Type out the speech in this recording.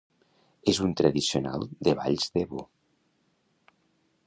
És un tradicional de Valls d'Ebo.